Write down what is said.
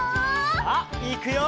さあいくよ！